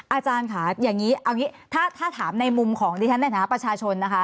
อาจารย์ค่ะอย่างนี้ถ้าถามในมุมของดิฉันนะครับประชาชนนะคะ